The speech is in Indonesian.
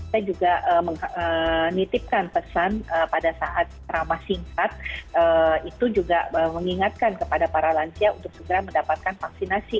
saya juga menitipkan pesan pada saat ramah singkat itu juga mengingatkan kepada para lansia untuk segera mendapatkan vaksinasi